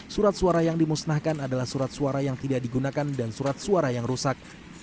surat suara yang dimusnahkan adalah surat suara yang tidak digunakan dan surat suara yang rusak